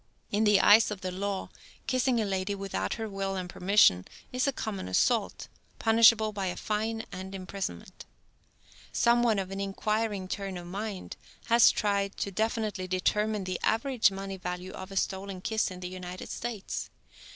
In the eyes of the law, kissing a lady without her will and permission is a common assault, punishable by a fine and imprisonment. Some one of an inquiring turn of mind has tried to definitely determine the average money value of a stolen kiss in the United States.